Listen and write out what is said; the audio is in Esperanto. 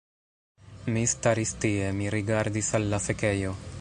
Mi staris tie, mi rigardis al la fekejo